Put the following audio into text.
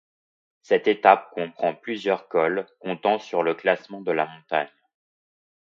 Cette étape comprend plusieurs cols comptant pour le classement de la montagne.